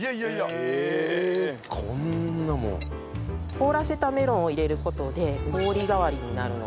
凍らせたメロンを入れる事で氷代わりになるので。